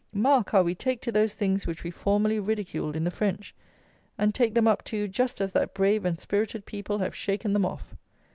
Mark how we take to those things which we formerly ridiculed in the French; and take them up too just as that brave and spirited people have shaken them off!